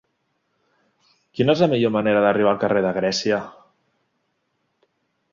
Quina és la millor manera d'arribar al carrer de Grècia?